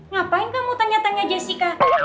ngapain kamu tanya tanya jessica